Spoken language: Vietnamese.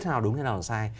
thế nào đúng thế nào sai